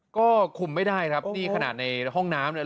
ก็คุมไม่ได้ครับนี่ขนาดในห้องน้ำเนี่ย